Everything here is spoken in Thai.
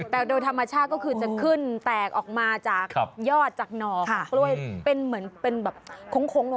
แต่โดยธรรมชาก็คือจะขึ้นแตกออกมาจากยอดจากนอก